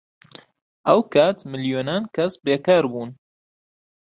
ئەو کات ملیۆنان کەس بێکار بوون.